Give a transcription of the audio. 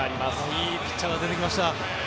いいピッチャーが出てきました。